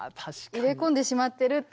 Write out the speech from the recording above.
入れ込んでしまってるっていう。